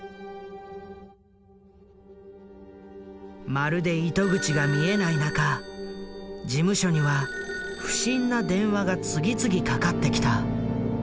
まるで糸口が見えない中事務所には不審な電話が次々かかってきた。